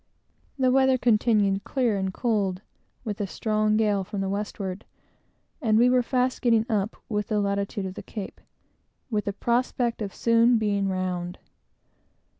The weather continued clear and cold, with a strong gale from the westward, and we were fast getting up with the latitude of the Cape, with a prospect of soon being round.